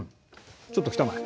ちょっと来たまえ。